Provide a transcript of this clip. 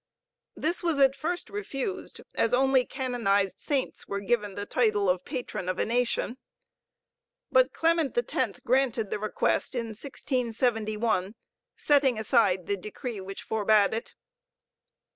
This was at first refused, as only canonized saints were given the title of Patron of a nation. But Clement x granted the request in 1671, setting aside the decree which forbade it.